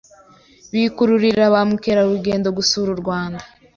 bikururira ba mukerarugendo gusura u Rwanda.